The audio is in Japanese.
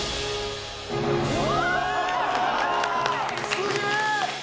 すげえ！